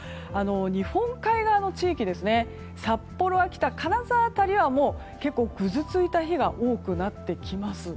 日本海側の地域札幌、秋田、金沢辺りはもう結構ぐずついた日が多くなってきます。